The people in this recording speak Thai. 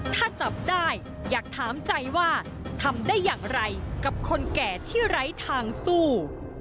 ถ้าจับได้อยากถามใจว่าทำได้อย่างไรกับคนแก่ที่ไร้ทางสู้